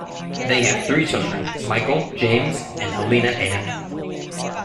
They have three children, Michael, James and Halina Anne.